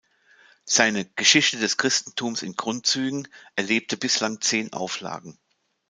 Seine "Geschichte des Christentums in Grundzügen" erlebte bislang zehn Auflagen.